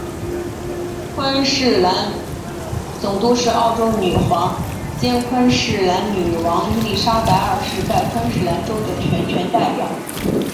昆士兰总督是澳洲女皇兼昆士兰女王伊利沙伯二世在昆士兰州的全权代表。